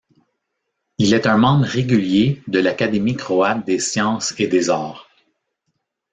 Il est un membre régulier de l'Académie croate des sciences et des arts.